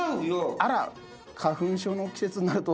あら。